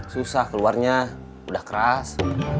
susah keluarnya udah keras